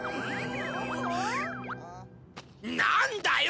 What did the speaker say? なんだよ！